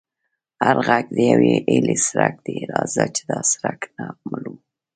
هر غږ د یوې هیلې څرک دی، راځه چې دا څرک نه مړوو.